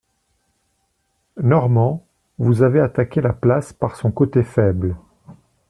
Normand, vous avez attaqué la place par son côté faible.